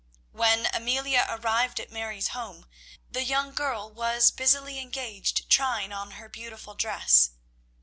When Amelia arrived at Mary's home, the young girl was busily engaged trying on her beautiful dress.